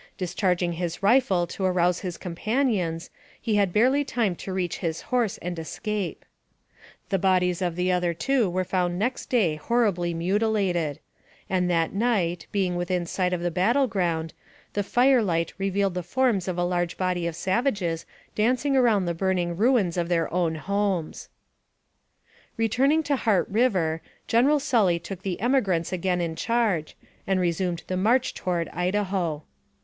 Dis charging his rifle to arouse his companions, he had barely time to reach his horse and escape. The bodies 262 NAKBATIVE OF CAPTIVITY of the other two were found next day horribly muti lated ; and that night, being within sight of the battle ground, the firelight revealed the forms of a large body of savages dancing around the burning ruins of their own homes. Returning to Heart River, General Sully took the emigrants again in charge, and resumed the march toward Idaho.